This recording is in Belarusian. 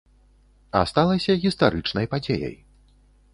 А сталася гістарычнай падзеяй.